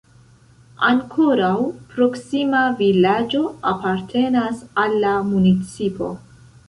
Ankoraŭ proksima vilaĝo apartenas al la municipo.